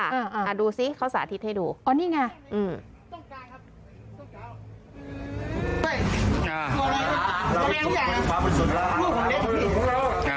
อ่าดูซิเขาสาธิตให้ดูอ๋อนี่ไงอืม